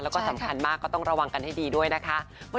แล้วก็สำคัญมากก็ต้องระวังกันให้ดีด้วยนะคะ